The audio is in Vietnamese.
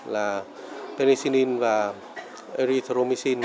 là penicillin và erythromycin